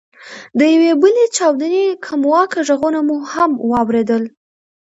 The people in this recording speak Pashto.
د یوې بلې چاودنې کمواکه ږغونه مو هم واورېدل.